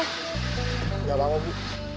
nggak apa apa bu